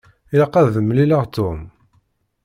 Ilaq ad d-mmlileɣ Tom.